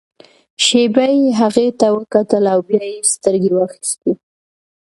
شېبه يې هغې ته وکتل او بيا يې سترګې واخيستې.